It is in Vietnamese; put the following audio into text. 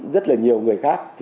rất nhiều người khác